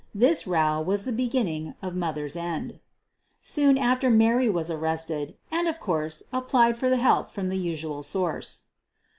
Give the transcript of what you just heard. This row was the beginning of "Mother's" end. Soon after Mary was arrested, and, of course, applied for help from the usual source.